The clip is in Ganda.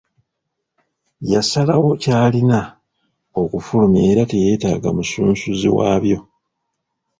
Y'asalawo ky'alina okufulumya era teyeetaaga musunsuzi waabyo.